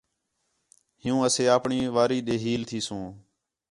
حِیّوں اَسے اپݨی واری ݙے ھیل تِھیسوں